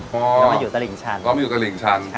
อ๋อต้องมาอยู่กะหลิงชันต้องมาอยู่กะหลิงชัน